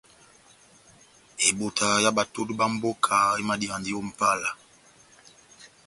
Ebota yá batodu bá mboka emadiyandi ó Mʼpala.